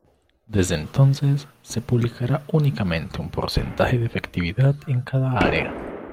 Desde entonces, se publicará únicamente un porcentaje de efectividad en cada área.